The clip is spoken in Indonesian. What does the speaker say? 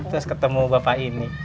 terus ketemu bapak ini